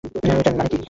ঐটার মানে কি?